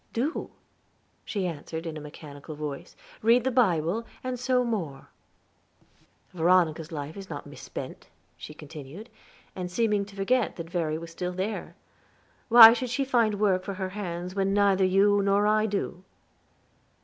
"Do," she answered in a mechanical voice; "read the Bible, and sew more." "Veronica's life is not misspent," she continued, and seeming to forget that Verry was still there. "Why should she find work for her hands when neither you nor I do?"